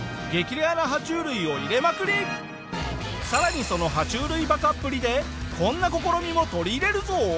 更にその爬虫類バカっぷりでこんな試みも取り入れるぞ！